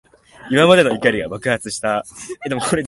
今までの怒りが爆発した。